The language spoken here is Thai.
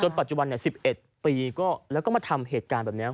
ปัจจุบัน๑๑ปีแล้วก็มาทำเหตุการณ์แบบนี้